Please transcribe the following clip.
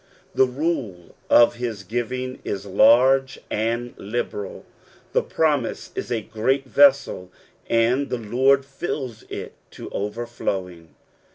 The rule of his giving is large and liberal : the promise is a great vessel and the Lord fills it to overflowing.